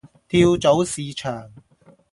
跳蚤市場